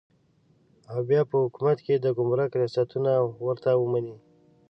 او بیا په حکومت کې د ګمرک ریاستونه ورته ومني.